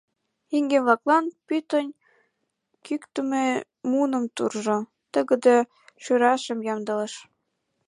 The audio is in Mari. Иге-влаклан пӱтынь кӱктымӧ муным туржо, тыгыде шӱрашым ямдылыш.